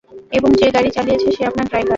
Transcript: এবং যে গাড়ি চালিয়েছে সে আপনার ড্রাইভার।